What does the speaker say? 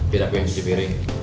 biar aku yang cuci piring